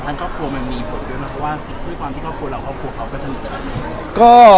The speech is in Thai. เพราะว่าความที่ครอบครัวเรา